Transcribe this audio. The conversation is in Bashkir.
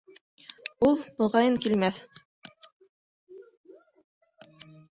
Ул, моғайын, килмәҫ